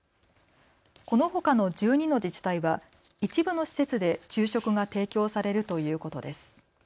このほかの１２の自治体は一部の施設で昼食が提供されるということです。